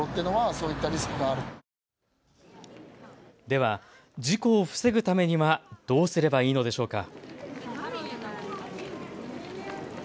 では事故を防ぐためにはどうすればいいのでしょうか。